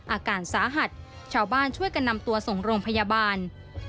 อาการสาหัสชาวบ้านช่วยกันนำตัวส่งโรงพยาบาล